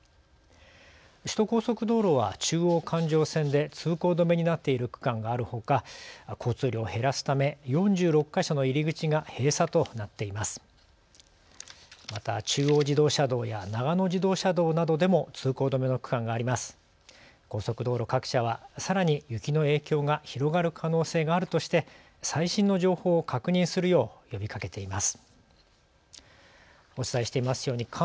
首都高速道路は中央環状線で通行止めになっている区間があるほか交通量を減らすため４６か所の入り口が閉鎖となっています。